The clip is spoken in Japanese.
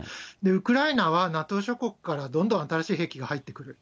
ウクライナはＮＡＴＯ諸国からどんどん新しい兵器が入ってくる。